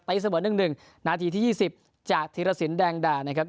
เสมอ๑๑นาทีที่๒๐จากธีรสินแดงดานะครับ